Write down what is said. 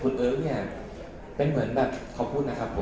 คุณเอ๊ะเนี่ยเป็นเหมือนแบบเขาพูดนะครับผม